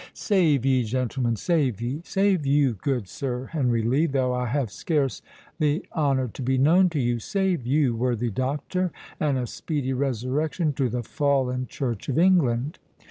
"Save ye, gentlemen, save ye.—Save you, good Sir Henry Lee, though I have scarce the honour to be known to you.—Save you, worthy doctor, and a speedy resurrection to the fallen Church of England."